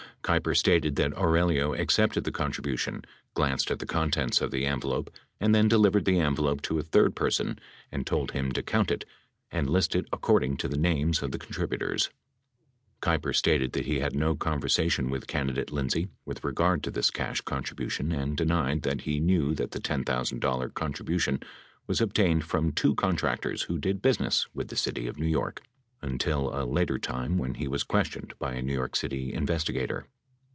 Keiper stated that Aurelio accepted the contribution, glanced at the contents of the envelope and then delivered the envelope to a third person and told him to count it and list it according to the names of the con tributors. Keiper stated that he had no conversation with candidate Lindsay with regard to this cash contribution and denied that he knew that the $10,000 contribution was obtained from two contrac tors who did business with the city of New York until a later time when lie was questioned by a New York City investigator.